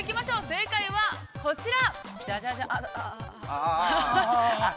正解はこちら。